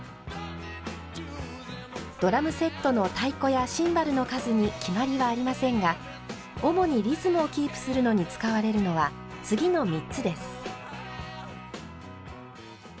ドラムセットの太鼓やシンバルの数に決まりはありませんが主にリズムをキープするのに使われるのは次の３つです。